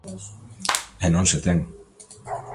E non se ten.